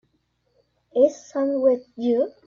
Is Sam with you?